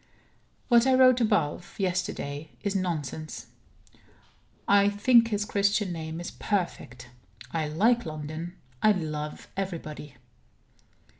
What I wrote up above, yesterday, is nonsense. I think his Christian name is perfect. I like London. I love everybody.